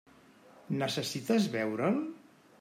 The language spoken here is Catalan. Necessites veure'l?